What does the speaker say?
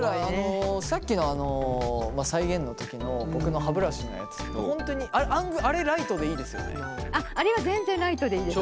さっきの再現の時の僕の歯ブラシのやつって本当にあれライトでいいですよね。